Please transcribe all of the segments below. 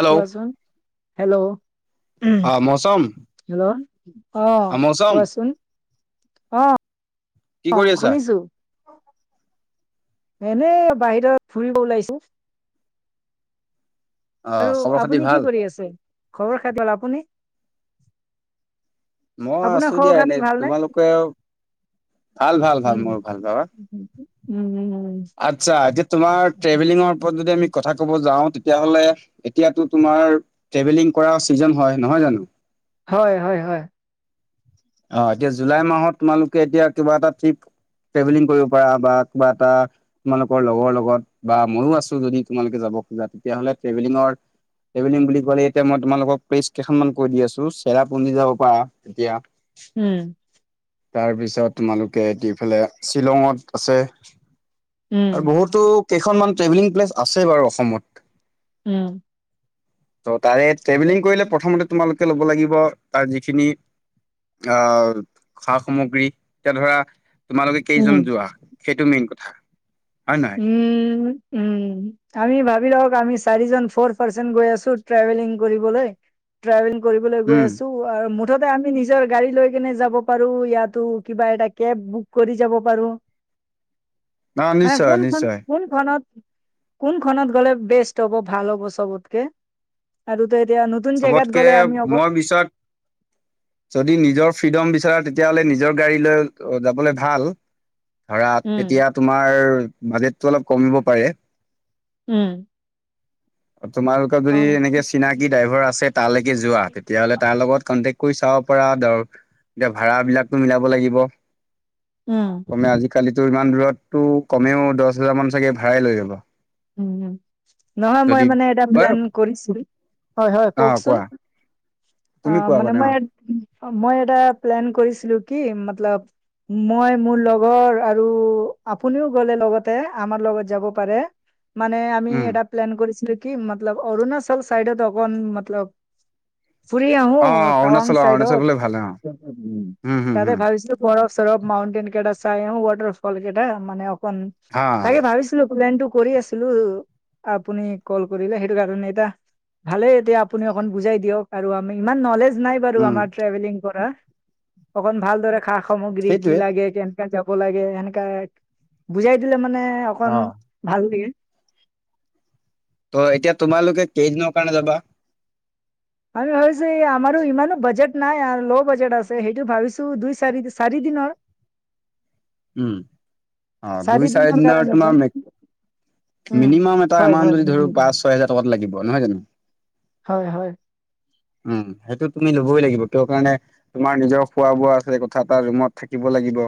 Hello কোৱাচোন hello হম অ মৌচম হেল্ল'। অ কোৱাচোন। অ কি অ কৰি আছা শুনিছো। এনেই বাহিৰত ফুৰিব ওলাইছো। অ আৰু খবৰ খাতি আপুনি কি ভাল কৰি আছে? খবৰ খা ভাল। আপুনি? মই আপোনাৰ আছো খবৰ দিয়া খাতি এনেই। ভালনে তোমালোকে ভাল, ভাল ভাল মোৰ ভাল। পাবা, উ উম, উম, উম আচ্ছা, এতিয়া তোমাৰ ট্ৰেভেলিঙৰ ওপৰত যদি আমি উম। কথা, কব যাও তেতিয়া হলে, এতিয়াটো তোমাৰ ট্ৰেভেলিং কৰা ছিজন হয় নহয় জানো? হয় হয়, হয়। অ এতিয়া জুলাই মাহত তোমালোকে এতিয়া কিবা এটা ট্ৰিপ, ট্ৰেভেলিং কৰিব পাৰা বা কিবা এটা, তোমালোকৰ লগৰ লগত, বা মইয়ো আছো। যদি তোমালোকে যাব খোজা তেতিয়াাহলে ট্ৰেভেলিঙৰ, ট্ৰেভেলিং বুলি ক'লে এতিয়া মই তোমালোকক, প্লেচ কেইখনমান কৈ দি আছোঁ। চেৰাপুঞজি যাব পাৰা, এতিয়া উম। তাৰপিছত তোমালোকে ইফালে শ্বিলঙত আছে। উম আৰু বহুতো কেইখনমান ট্ৰেভেলিং প্লেচ আছে বাৰু অসমত। উম। ত' তাৰে ট্ৰেভেলিং কৰিলে প্ৰথমতে তোমালোকে ল'ব লাগিব, তাৰ যিখিনি আহ সা- সামগ্ৰী। এতিয়া ধৰা তোমালোকে উম কেইজন যোৱা। সেইটো মেইন কথা হয় নহয়। উম উম। উম আমি ভাবি লওক, আমি চাৰিজন ফৰ পাৰ্চন গৈ আছো, ট্ৰেভেলিং কৰিবলৈ। ট্ৰেভেলিং কৰিবলৈ গৈ উম, আছো। মুঠতে আমি নিজৰ গাড়ী লৈ কিনে যাব পাৰো। ইয়াতো কিবা এটা কেব বুক কৰি যাব পাৰো। অঁ মানে নিশ্চয়। কোনখন, নিশ্চয় কোন খনত? কোনখনত গ'লে বেষ্ট হ'ব ভাল হ'ব চবতকে? আৰুতো এতিয়া নতুন জেগাত চবতকে গ'লে আমি অক মই বিছাক যদি নিজৰ ফ্ৰীডম বিচাৰা, তেতিয়াহ'লে নিজৰ গাড়ী লৈ যাবলে ভাল। ধৰা, উম, তেতিয়া তোমাৰ বাজেটটো অলপ কমিব পাৰে। উম'। তোমালোকৰ অ'। যদি এনেকে চিনাকি ড্ৰাইভাৰ আছে তালেকে যোৱা, তেতিয়াাহলে তাৰ লগত কনটেক কৰি চাব পাৰা। ধৰ, এতিয়া ভাড়া বিলাকটো মিলাব লাগিব। উম, কমে আজিকালিতো ইমান দূৰতটো কমেও দহ হাজাৰ মান চাগে ভাড়াই লৈ লব। উম, নহয় মই মানে এটা বাৰু প্লেন কৰিছো। হয়, হয় অ কওকচোন। কোৱা তুমি অ' কোৱা মানে আগতে মই মই এটা প্লেন কৰিছিলো। কি মতলব মই মোৰ লগৰ আৰু আপুনিও গ'লে লগতে আমাৰ লগত যাব পাৰে। মানে আমি উম এটা প্লেন কৰিছিলো, কি মতলব অৰুণাচল চাইডত অকন মতলব ফুৰি আহো, অ টাৱাং অৰুণাচল অ অৰুণাচল চাইডত ফালে ভাল অ উম হুম তাতে হুম ভাবিছিলো। বৰফ-চৰফ মাউণ্টেন কেইটা চাই আহো ৱাটাৰ ফল কেইটা মানে অকন। হা তাকে ভাবিছো ছিলো প্লেনটো কৰি আছিলো, আপুনি কল কৰিলে সেইটো কাৰণে এতিয়া ভালে এতিয়া আপুনি অকণ বুজাই দিয়ক, আৰু আমি ইমান নলেজ নাই। বাৰু উম আমাৰ ট্ৰেভেলিং কৰা অকন ভালদৰে সা-সামগ্ৰী কি সেইটোৱে লাগে [unintelligible] যাব লাগে, সেনেকা বুজাই দিলে মানে অকন অ ভাল লাগে। ত' এতিয়া তোমালোকে কেইদিনৰ কাৰণে যাবা? আমি ভাবিছোঁ এই আমাৰো ইমানো বাজেট নাই আৰু ল' বাজেট আছে সেইটো ভাবিছোঁ দুই চাৰি চাৰি দিনৰ। উম! অ' দুই চাৰি দিনৰ মে উম মিনিমাম এটা হয় হয় এমাউণ্ট যদি ধৰ উম পাঁচ ছয় হাজাৰ টকা লাগিব। নহয় জানোঁ? হয় হয়। উম, সেইটো তুমি ল'বই লাগিব। [unintelligible] তোমাৰ নিজৰ খোৱা-বোৱা আছে কথা এটা ৰুমত থাকিব লাগিব।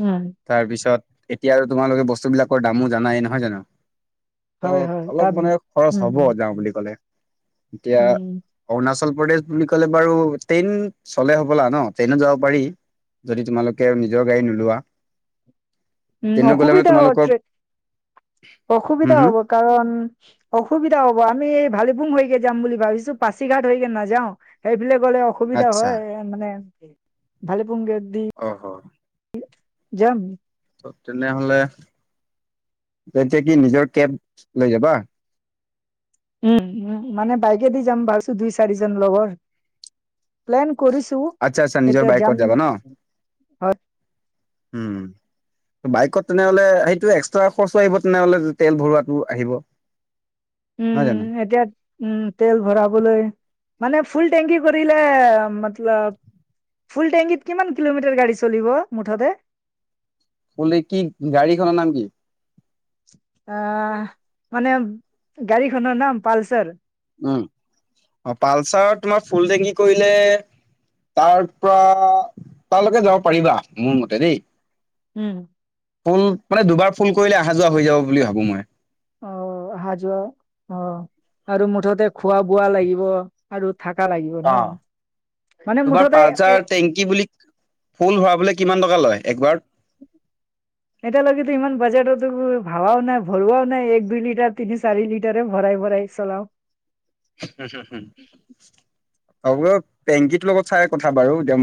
উম। তাৰ পিছত এতিয়া আৰু তোমালোকে বস্তু বিলাকৰ দামো জানাই। নহয় জানোঁ? হয় হয় ত' অলপ তাত মানে খৰচ উম হব উম যাওঁ বুলি ক'লে। এতিয়া উম অৰুণাচল প্ৰদেশ বুলি ক'লে বাৰু ট্ৰেইন চলে হ'বলা ন? ট্ৰেইনত যাব পাৰি। যদি তোমালোকে নিজৰ গাড়ী নোলোৱা। উম, ট্ৰেইনত গ'লে মানে অসুবিধা হব তোমালোকৰ ট্ৰেক, হম অসুবিধা হম হ'ব কাৰণ অসুবিধা হ'ব, আমি এই ভালেপুং হৈকে যাম বুলি ভাবিছোঁ, পাছিঘাট হৈকে নাযাওঁ। সেইফালে গ'লে অসুবিধা আচ্ছা হয় মানে ভালেপুংকেদি। অহহ'। যাম। তেনেহলে তেতিয়া কি নিজৰ কেপ লৈ যাবা। উম, মানে বাইকে দি যাম ভাবিছোঁ দুই চাৰিজন লগৰ। প্লেন কৰিছো! আচ্ছ আচ্ছা নিজৰ এতিয়া যাম বাইকত যাব ন? হয় উম। বাইকত তেনেহলে সেইটো এক্সট্ৰা খৰচা আহিব তেনেহলে, তেল ভৰোৱাটো আহিব। [inaudible] জানো? উম এতিয়া উম, তেল ভৰাবলৈ মানে ফুল টেংকি কৰিলে মতলব ফুল টেংকিত কিমান কিলোমিটাৰ গাড়ী চলিব মুঠতে? ফুলটেংকি, গাড়ীখনৰ নাম কি? অহ, মানে গাড়ীখনৰ নাম পালচাৰ। উম, অ' পালচাৰ তোমাৰ ফুল টেংকি কৰিলে তাৰপৰা তালৈকে যাব পাৰিবা মোৰ মতে দেই। উম। ফুল, মানে দুবাৰ ফুল কৰিলে অহা যোৱা হৈ যাব বুলি ভাবোঁ মই। অহ, আহা যোৱা অহ আৰু মুঠতে খোৱা বোৱা লাগিব। আৰু থাকা লাগিব অ'। ন' মানে তোমাৰ মুঠতে এ পালচাৰ টেংকি বুলি ফুল ভৰাবলৈ কিমান টকা লয় একবাৰত? এতিয়ালৈকেতো ইমান বাজেটতো ভাবাও নাই, ভৰোৱাও নাই এক দুই লিটাৰ তিনি চাৰি লিটৰহে ভৰাই-ভৰাই চলাওঁ। হম', হম', হম' [unintelligible] টেংকীতোৰ লগত চাই কথা বাৰু এতিয়া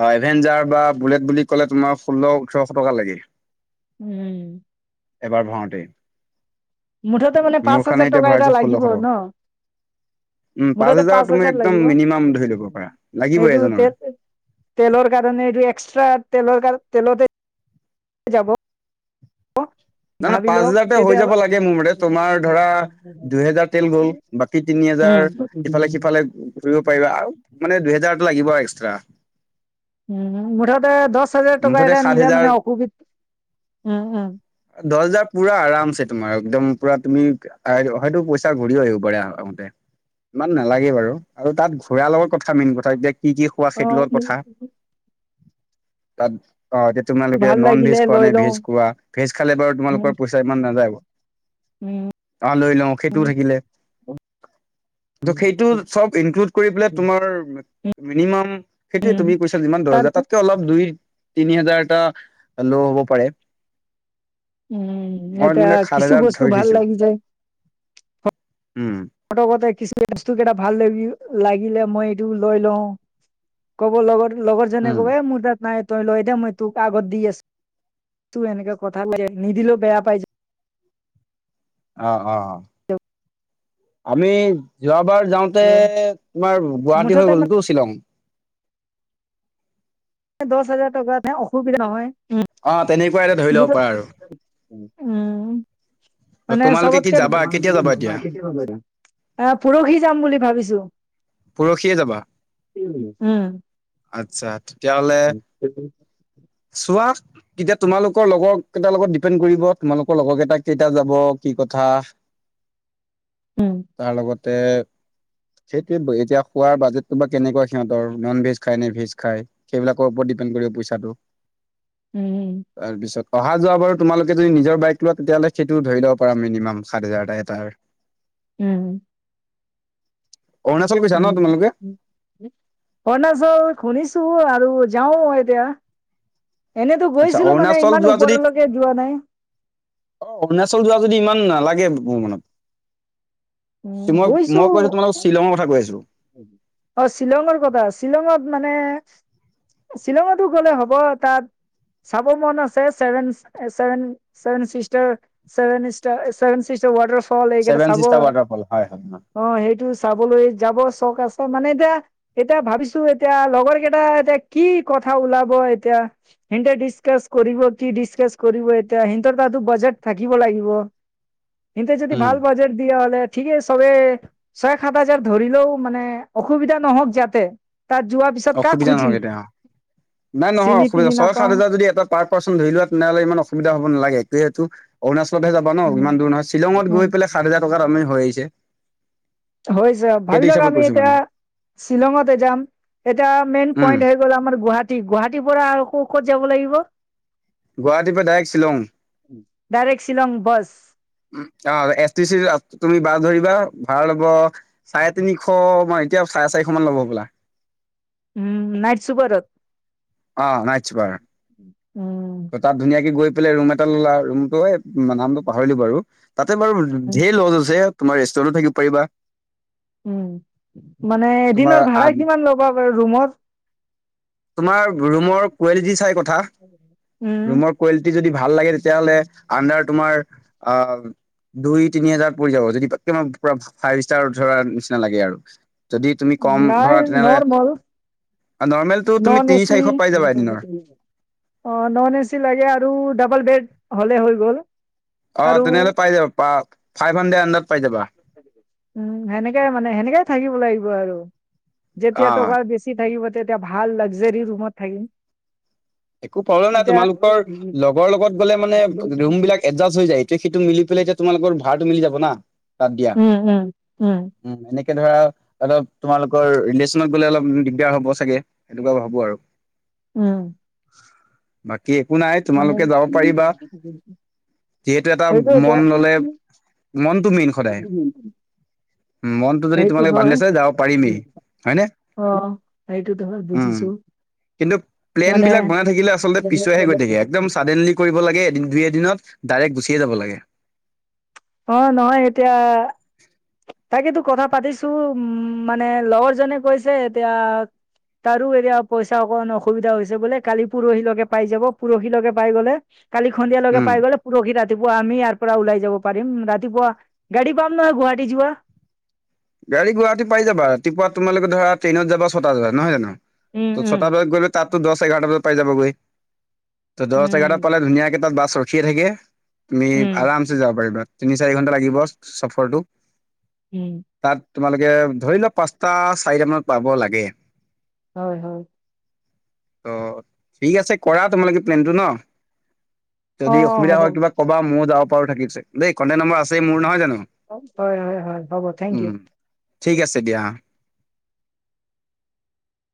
অহ, এভেঞ্জাৰ বা বুলেট বুলি ক'লে তোমাৰ ষোল্ল ওঠৰশ টকা লাগে। উম। এবাৰ ভাৰাওঁতেই। মুঠতে মানে পাঁচ হাজাৰ এতিয়া টকা এটা ভৰাইছো ষোল্লশ লাগিব টকা। ন? উম মঠতে পাঁচ তুমি হাজাৰ একদম লাগিব। মিনিমাম ধৰি ল'ব পাৰা লাগিবই এইটো এজনৰ তে তেলৰ কাৰণে এইটো এক্সট্ৰা, তেলৰ কাৰণে তেলতে যাব। নাই-নই ভাবি পাঁচ লওক হেজাৰতে হৈ যাব কেতিয়াবা লাগে। মোৰ মতে তোমাৰ ধৰা দুহেজাৰ তেল গ'ল। বাকী তিনি হাজাৰ ইফালে-সিফালে গ'ল। ফুৰিব উম পাৰিবা আৰু মানে দুহেজাৰটা লাগিব আৰু এক্সট্ৰা। উম, মুঠতে দহ হাজাৰ টকা মুঠতে এটা সাত নিলে হেজাৰ মানে অসুবিধ, উম', উম'। দহ হাজাৰ পুৰা আৰামছে তোমাৰ, একদম পুৰা তুমি হয়তো সেইটো পইচা ঘূৰি আহিব পাৰে, আহোতে। ইমান নালাগে বাৰু। আৰু তাত ঘূৰাৰ লগত কথা। মেইন কথা এতিয়া কি কি কোৱা সেইতোৰ অ', লগত কথা। তাত অহ, এতিয়া তোমালোকে ভাল নন লাগিলে ভেজ লৈ খোৱানে লওঁ, ভেজ খোৱা, ভেজ খালে বাৰু উম, তোমালোকৰ পইচা ইমান নাযায়। উম। অহ, লৈ লওঁ সেইটোও থাকিলে। ত' সেইটো চব ইনক্লুড কৰি পেলাই তোমাৰ মিনিমাম সেইটোৱে উম, তুমি কৈছা যিমান দহ তাৰ হাজাৰ, কি তাতকে অলপ দুই তিনি হাজাৰ এটা ল' হ'ব পাৰে। উম, মই এতিয়া মানে সাত কিছু হাজাৰ বস্তু ধৰি ভাল থৈছো লাগি যায়। উম। ফটকতে কি বস্তুকেইটা ভাল লাগিল-লাগিলে মই এইটো লৈ লওঁ। ক'ব, লগৰ-লগৰজনে উম, ক'ব এ মোৰ তাত নাই। তই লৈ দে, মই তোক আগত দি আছোঁ। তোৰ এনেকাে কথা লাগে, নিদিলেও বেয়া পাই যায়। অহ', অহ', অহ' আমি যোৱাবাৰ যাওঁ তে' যাব। তোমাৰ গুৱাহাটী মুঠতে হৈ গ'লেটো শ্বিলং। দহ হাজাৰ টকাতহে অসুবিধা নহয়। উম। অহ, তেনেকুৱা এটা ধৰি ল'ব পাৰা আৰু। অহ, ত' মানে তোমালোকে কি চবতকে যাবা কেতিয়া যাবা এতিয়া [unintelligible] আহ, পৰহি যাম বুলি ভাবিছোঁ। পৰহিয়ে যাবা, উম আতচ্ছা তেতিয়াহ'লে সেইটো। চোৱা তেতিয়া তোমালোকৰ লগৰ কেইটাৰ লগত ডিপেণ্ড কৰিব। তোমালোকৰ লগৰ কেইটা, কেইটা যাব কি কথা। উম তাৰ লগতে সেইটোৱে, এতিয়া খোৱাৰ বাজেটটো বা কেনেকুৱা সিহঁতৰ ন'ন ভেজ খায় নে ভেজ খায়? সেইবিলাকৰ ওপৰত ডিপেণ্ড কৰিব পইচাটো। উম। তাৰপিছত অহা যোৱা বাৰু, তোমালোকে যদি নিজৰ বাইক লোৱা, তেতিয়াহ'লে সেইটো ধৰি ল'ব পাৰা মিনিমাম সাত হাজাৰটা, এটাৰ। [inaudible] উম। অৰুণাচল গৈছা ন উম, তোমালোকে? অৰুণাচল শুনিছো আৰু যাও মই এতিয়া। এনেতো আচ্ছা গৈছিলো মানে। অৰুণাচল যোৱা ইমান যদি ওপৰলৈকে যোৱা নাই। অ', অৰুণাচল যোৱা যদি ইমান নালাগে [unintelligible] উম মই- গৈছো মই কৈছো তোমালোকক শ্বিলঙৰ কথা কৈ আছিলো। অ', শ্বিলংৰ কথা, শ্বিলংত মানে শ্বিলঙতো গ'লে হ'ব তাত চাব মন আছে, seven sister, seven seven sister. Seven sister, seven sister water seven sister waterfall হয়, হয়। অ', সেইটো চাবলৈ যাব চখ আছে মানে, এতিয়া এতিয়া ভাবিছো, এতিয়া লগৰ কেইটা এতিয়া কি কথা ওলাব এতিয়া। সিহঁতে ডিচকাচ কৰিব কি ডিচকাচ কৰিব এতিয়া সিহঁতৰ তাতো বাজেট থাকিব লাগিব। সিহঁতে যদি উম, ভাল বাজেট দিয়ে হ'লে ঠিকেই চবে ছয় সাত হেজাৰ ধৰিলেও মানে অসুবিধা নহওক যাতে তাত যোৱা পিছত কাক অসুবিধা খুজিম নহয় তেতিয়া নাই নহয় চিনি অসুবিধা তিনি ছয় সাত নাপাও হাজাৰ যদি এটা পাৰ পাৰ্চন ধৰি লোৱা তেনেহ'লে ইমান অসুবিধা হ'ব নালাগে, যিহেতু অৰুণাচলতহে যাব ন' উম ইমান দূৰ নহয়, শ্বিলঙত গৈ উম পেলাই সাত হাজাৰ টকাত আমি হৈ আহিছে। হৈছে সেইটো ভাবি লওক হিচাপত আমি কৈছো মানে এতিয়া শ্বিলঙতে যাম এটা মেইন উম পইণ্ট হৈ গ'ল আমাৰ গুৱাহাটী। গুৱাহাটীৰ পৰা আৰু ক'ত যাব লাগিব? গুৱাহাটীৰ পৰা direct Shillong. Direct Shillong bus. অ', এছ টি চি তুমি বাছ ধৰিবা, ভাড়া ল'ব চাৰে তিনিশ মান এতিয়া চাৰে চাৰিশ মান ল'ব হ'বলা? উম, নাইট চুপাৰত? অ', নাইট চুপাৰ। উম তাত ধুনীয়াকে গৈ পেলাই ৰুম এটা ল'লা ৰুমটো এই নামটো পাহৰিলো বাৰু তাতে বাৰু ধেৰ ল'জ আছে, তোমাৰ ৰেষ্টুৰেণ্টো থাকিব পাৰিবা। উম, মানে তোমাৰ এদিনৰ আ ভাড়া কিমান ল'ব বাৰু ৰুমৰ? তোমাৰ ৰুমৰ কোৱালিটি চাই কথা, উম ৰুমৰ কোৱালিটি যদি ভাল লাগে তেতিয়াহ'লে আডাৰ তোমাৰ আহ দুই তিনি হাজাৰ পৰি যাব যদি পুৰা ফাইভ ষ্টাৰ ধৰা নিচিনা লাগে আৰু। যদি তুমি ক'ম নাই ধৰা তেনেহ'লে নৰ্মল নৰ্মেলটো তুমি নন তিনি এচি। চাৰিশ পাই যাবা এদিনৰ অ', নন এ চি লাগে আৰু ডাবল বেড হ'লে হৈ গ'ল। অ', আৰু তেনেহ'লে পাই যাবা ফাইভ হাণ্ড্ৰেড আণ্ডাৰত পাই যাবা। উম, সেনেকে মানে সেনেকেই থাকিব লাগিব আৰু যেতিয়া অ' টকাৰ বেছি পইচা থাকিব তেতিয়া ভাল লকজৰী ৰৰুমত থাকিম। একো প্ৰব্লেম নাই, এতিয়া তোমালোকৰ লগৰ লগত গ'লে মানে ৰুম বিলাক এডজাষ্ট হৈ যায়। সিটো মিলি পেলায় তোমালোকৰা ভাড়াটো মিলি যাব না। তাত দিয়া উম, উম, উম। উম এনেকে ধৰা অলপ তোমালোকৰ ৰিলেশ্যনত গলে অলপ দিগদাৰ হ'ব চাগে। সেনেকুৱা ভাবো আৰু। উম। বাকী একো নাই মানে তোমালোকে যাব পাৰিবা। যিহেতু এটা মন গলে মনটো মেইন সদায়। মনতটো যদি সেইটো তোমালোকে বান্ধি হয় লৈছে যাব পাৰিমেই হয়নে। অ সেইটো হয় উম বুজিছো। কিন্তু প্লেন বিলাক প্লেন থাকিলে পিছোৱাই আচলতে গৈ থাকে একদম চাডেনলি কৰিব লাগে এদিন দুই এদিন ডাইৰেক্ট গুচিয়ে যাব লাগে। অ নহয় এতিয়া তাকেইতো কথা পাতিছো উম মানে লগৰ জনে কৈছে এতিয়া তাৰো এতিয়া পইচা অকণমান অসুবিধা হৈছে বোলে কালি পোৰহিলৈকে পাই যাব পোৰহিলৈকে পাই গলে কালি সন্ধিয় লগে উম পাই গ'লে পুৰহি ৰাতিপুৱা আমি ইয়াৰ পৰা ওলাই যাব পাৰিম ৰাতিপুৱা গাড়ী পাম নহয় গুৱাহাটী যোৱা। গাড়ী গুৱাহাটী পাই যাব ৰাতিপুৱা তোমালোকে ধৰা ট্ৰেইনত যাব ছটা বজাত নহয় জানো। উম ত উম ছটা বজাত গ'লে তাতো দহ এঘাৰটা বজাত পাই যাবলৈ। ত দহ এঘাৰটা উম পালে ধুনীয়াকে তাত বাছ ৰখিয়ে থাকে তুমি উম আৰাম চে যাব পাৰিবা তিনি চাৰি ঘন্টা লাগিব চফৰটো। উম। তাত তোমালোকে ধৰি লোৱা পাঁচটা চাৰিটা মানত পাব লাগে। হয় হয়। অ' ঠিক আছে কৰা তোমালোকে প্লেনটো ন। অ যদি অ অসুবিধা হ'ব হয় কিবা কবা মইও যাব পাৰো থাকিছে দেই। কণ্টেকট নম্বৰ আছেই মোৰ নহয় জানো। হয়, হয়, হয়, হব। থেংক উ ইউ ঠিক আছে দিয়া অঁ।